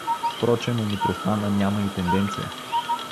Впрочем у Митрофана няма и тенденция.